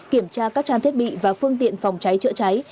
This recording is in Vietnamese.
kiểm tra các trang thiết bị và phương tiện phòng cháy chữa cháy